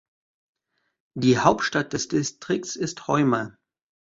Die Hauptstadt des Distrikts ist Hoima.